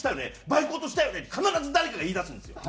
「バイクの音したよね？」って必ず誰かが言いだすんですよ。